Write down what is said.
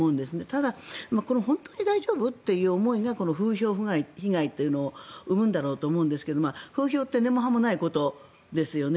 ただ本当に大丈夫？という思いが風評被害というのを生むんだろうと思うんですが風評って根も葉もないことですよね。